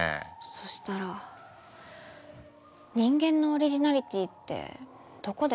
そしたら人間のオリジナリティーってどこで出せばいいんですか？